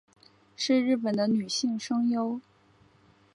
是日本的女性声优。